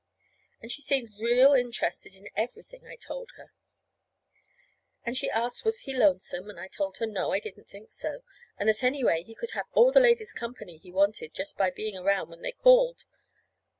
And she seemed real interested in everything I told her. And she asked was he lonesome; and I told her no, I didn't think so; and that, anyway, he could have all the ladies' company he wanted by just being around when they called.